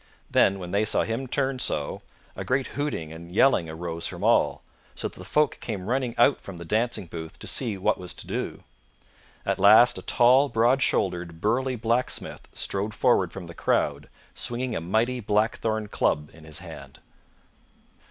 Then, when they saw him turn so, a great hooting and yelling arose from all, so that the folk came running out from the dancing booth to see what was to do. At last a tall, broad shouldered, burly blacksmith strode forward from the crowd swinging a mighty blackthorn club in his hand.